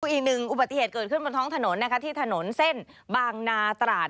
อีกหนึ่งอุบัติเหตุเกิดขึ้นบนท้องถนนนะคะที่ถนนเส้นบางนาตราด